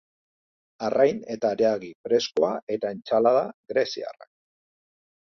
Arrain eta haragi freskoa eta entsalada greziarrak.